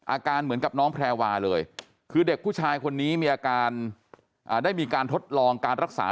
อาการเหมือนกับน้องแพรวาเลยคือเด็กผู้ชายคนนี้มีอาการได้มีการทดลองการรักษา